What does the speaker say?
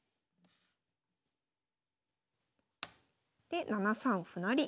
で７三歩成。